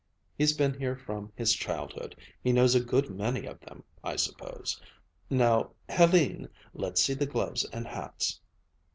He's been here from his childhood. He knows a good many of them, I suppose. Now, Hélène, let's see the gloves and hats."